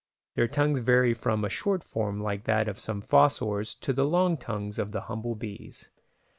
Their tongues vary from a short form like that of some fossors to the long tongues of the humble bees.